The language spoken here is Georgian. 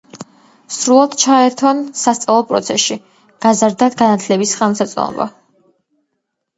სრულად ჩაერთონ სასწავლო პროცესში, გაზარდა განათლების ხელმისაწვდომობა